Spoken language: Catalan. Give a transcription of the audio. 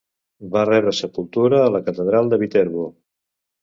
Va rebre sepultura a la catedral de Viterbo.